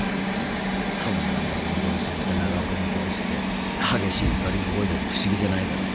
そんな姉を見殺しにした長岡に対して激しい怒りを覚えても不思議じゃないだろ。